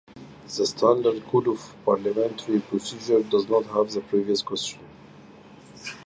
"The Standard Code of Parliamentary Procedure" does not have the "previous question".